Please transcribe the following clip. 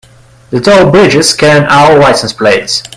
The toll bridges scan all license plates.